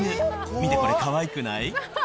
見てこれ、かわいくない？